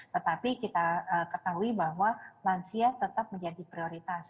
tetapi kita ketahui bahwa lansia tetap menjadi prioritas